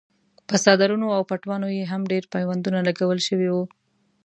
په څادرونو او پټوانو یې هم ډېر پیوندونه لګول شوي وو.